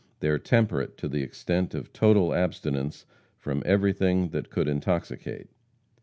They are temperate to the extent of total abstinence from every thing which could intoxicate.